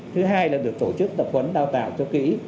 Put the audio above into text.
thứ hai là được tổ chức tập huấn đào tạo cho kỹ